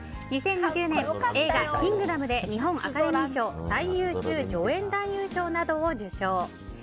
２０２０年映画「キングダム」で日本アカデミー賞最優秀助演男優賞などを受賞。